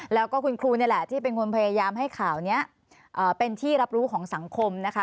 แล้วก็คุณครูนี่แหละที่เป็นคนพยายามให้ข่าวนี้เป็นที่รับรู้ของสังคมนะคะ